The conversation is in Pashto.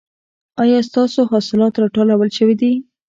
ایا ستاسو حاصلات راټول شوي دي؟